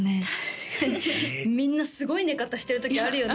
確かにみんなすごい寝方してる時あるよね